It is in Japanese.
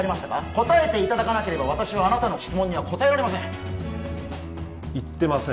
答えていただかなければ私はあなたの質問には答えられません行ってません